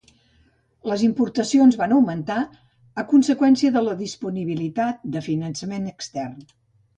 Les importacions van augmentar a conseqüència de la disponibilitat de finançament extern.